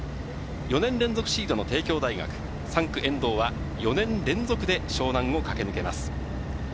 ４年連続シードの帝京大学、３区・遠藤は４年連続で湘南を駆け抜けます。